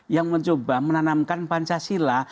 yang mencoba menanamkan pancasila